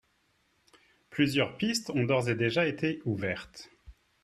Plusieurs pistes ont d’ores et déjà été ouvertes.